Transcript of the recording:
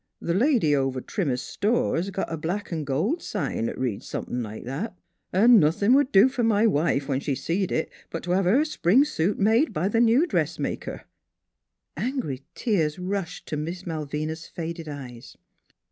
The lady over Trimmer's store 's got a black 'n' gold sign 'at reads somepin' like that; an' nothin' would do fer my wife, when she seen it, but t' have her spring suit made b' th' new dressmaker." 4 NEIGHBORS Angry tears rushed to Miss Malvina's faded eyes.